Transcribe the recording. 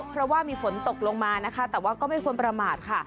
เพราะว่ามีฝนตกลงมานะคะแต่ว่าก็ไม่ควรประมาทค่ะ